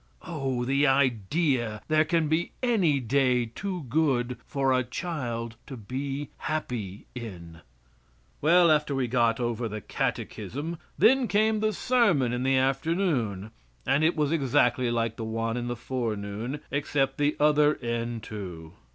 Oh! the idea there can be any day too good for a child to be happy in! Well, after we got over the catechism, then came the sermon in the afternoon, and it was exactly like the one in the forenoon, except the other end to.